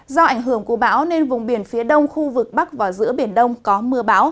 do ảnh hưởng của bão nên vùng biển phía đông khu vực bắc và giữa biển đông có mưa bão